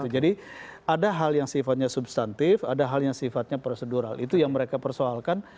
ada hal yang sifatnya substantif ada hal yang sifatnya prosedural itu yang mereka persoalkan